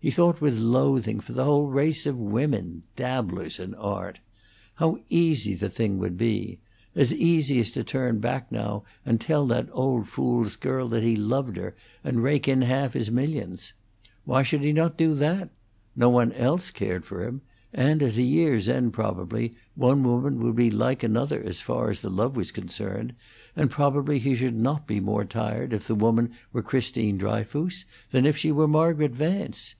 He thought with loathing for the whole race of women dabblers in art. How easy the thing would be: as easy as to turn back now and tell that old fool's girl that he loved her, and rake in half his millions. Why should not he do that? No one else cared for him; and at a year's end, probably, one woman would be like another as far as the love was concerned, and probably he should not be more tired if the woman were Christine Dryfoos than if she were Margaret Vance.